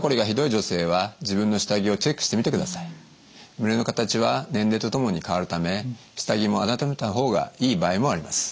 胸の形は年齢とともに変わるため下着も改めた方がいい場合もあります。